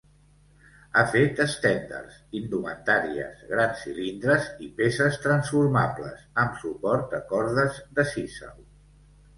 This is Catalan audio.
Ha fet estendards, indumentàries, grans cilindres i peces transformables, amb suport de cordes de sisal.